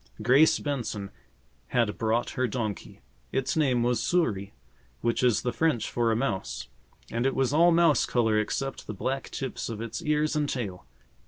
Grace Benson had brought her donkey. Its name was Souris, which is the French for a mouse, and it was all mouse color except the black tips of its ears and tail.